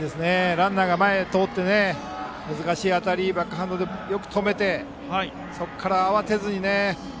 ランナーが前を通って難しい当たりバックハンドでよく止めてそこから、慌てずにね。